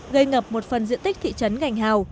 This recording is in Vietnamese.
gây ngập một phần diện tích thị trấn gành hào